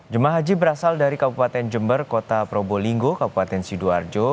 jemaah haji berasal dari kabupaten jember kota probolinggo kabupaten sidoarjo